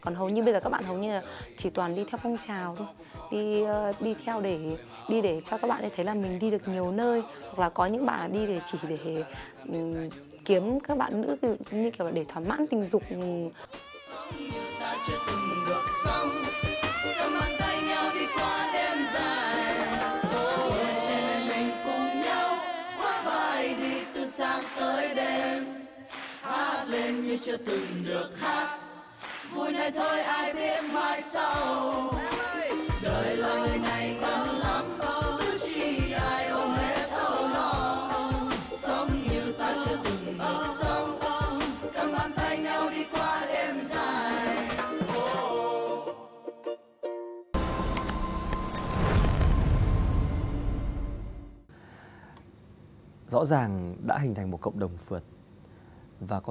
còn hầu như bây giờ các bạn hầu như là chỉ toàn đi theo phong trào